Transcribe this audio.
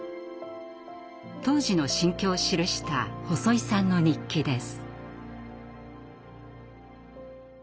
当時の心境を記した細井さんの日記です。